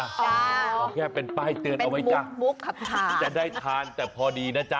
เขาแค่เป็นป้ายเตือนเอาไว้จ่ะจะได้กินแต่พอดีนะจ๊ะอ๋อ